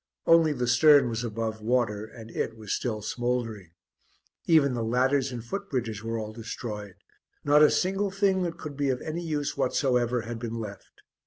Only the stern was above water and it was still smouldering; even the ladders and foot bridges were all destroyed; not a single thing that could be of any use whatsoever had been left.